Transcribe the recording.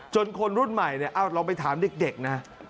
จนคนรุ่นใหม่เราไปถามเด็กนะ